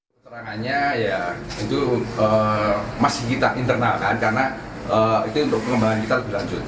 keterangannya ya itu masih kita internalkan karena itu untuk pengembangan kita lebih lanjut